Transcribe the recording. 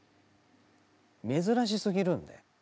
珍しすぎるんで。